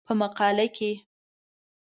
په مقاله کې